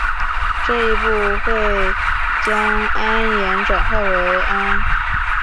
这一步会将铵盐转化成氨。